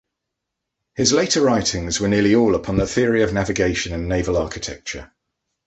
His later writings were nearly all upon the theory of navigation and naval architecture.